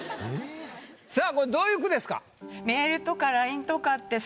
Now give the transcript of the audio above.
さぁこれどういう句ですか？